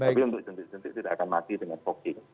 tapi untuk jentik jentik tidak akan mati dengan fogging